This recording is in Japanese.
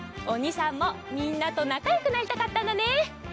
おにさんもみんなとなかよくなりたかったんだね。